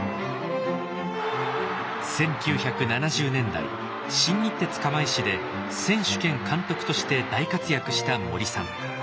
１９７０年代新日鉄釜石で選手兼監督として大活躍した森さん。